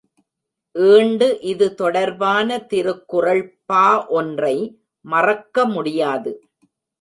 ஈண்டு இது தொடர்பான திருக்குறள் பா ஒன்றை மறக்க முடியாது.